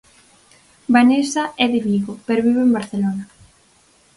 Vanesa é de Vigo, pero vive en Barcelona.